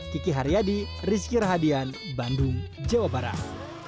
kiki haryadi rizky rahadian bandung jawa barat